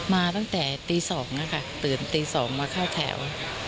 มาตั้งแต่ตี๒นะคะตื่นตี๒มาเข้าแถว